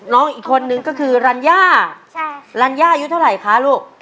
น้องอีกคนนึงก็คือรัญญารัญญาอายุเท่าไหร่คะลูก